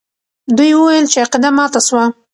دوی وویل چې عقیده ماته سوه.